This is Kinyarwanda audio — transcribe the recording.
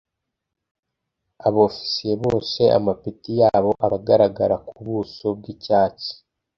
abofisiye bose amapeti yabo aba agaragara mu buso bw'icyatsi